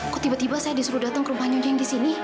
kok tiba tiba saya disuruh datang ke rumah nyunjeng di sini